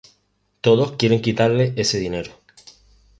Todos quieren quitarle ese dinero.